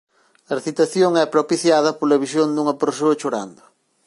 A excitación é propiciada pola visión dunha persoa chorando.